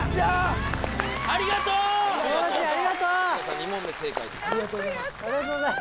ありがとう！